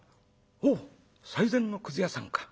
「おお最前のくず屋さんか。